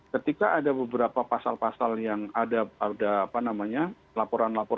ketika ada beberapa pasal pasal yang ada laporan laporan